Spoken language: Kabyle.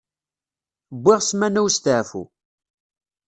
Wwiɣ ssmana usteɛfu.